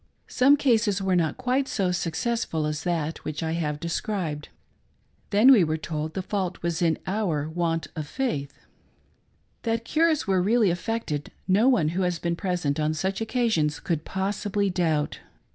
Some cases were not quite so success ful as that which I have described. Then we were told the fault was in our want of faith. That cures were really affected, no one who has been present on such occasions could possibly doubt.